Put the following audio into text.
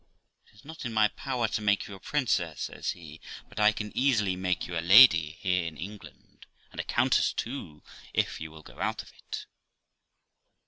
'It is not in my power to make you a princess', says he, 'but I can easily make you a lady here in England, and a countess too if you will go out of it.'